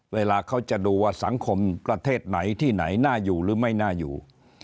เวลาเขาจะดูว่าสังคมประเทศไหนที่ไหนน่าอยู่หรือไม่น่าอยู่